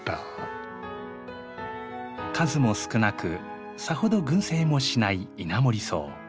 数も少なくさほど群生もしないイナモリソウ。